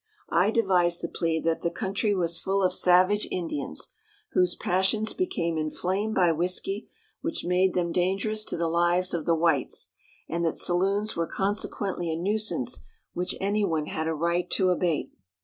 I devised the plea that the country was full of savage Indians, whose passions became inflamed by whisky, which made them dangerous to the lives of the whites, and that saloons were consequently a nuisance which anyone had a right to abate.